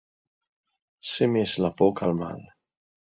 Ser més la por que el mal.